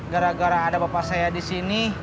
gara gara ada bapak saya disini